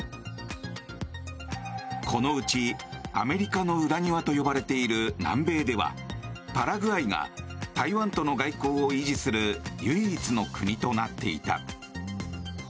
このうちアメリカの裏庭と呼ばれている南米では、パラグアイが台湾との外交を維持する唯一の国となっていた。